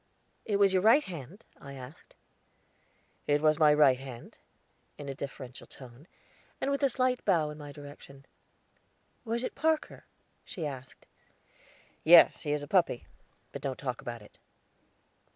"It was your right hand?" I asked. "It was my right hand," in a deferential tone, and with a slight bow in my direction. "Was it Parker?" she asked. "Yes, he is a puppy; but don't talk about it."